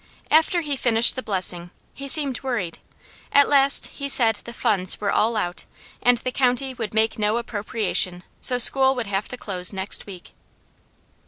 After he finished the blessing, he seemed worried, at last he said the funds were all out, and the county would make no appropriation so school would have to close next week.